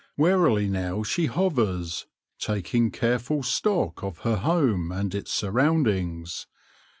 Warily now she hovers, taking careful stock of her home and its surroundings.